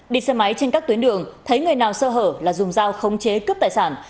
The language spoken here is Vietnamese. đi xe máy trên các tuyến đường thấy người nào sơ hở là dùng dao khống chế cướp tài sản